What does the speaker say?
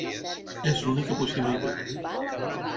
És l'única possibilitat.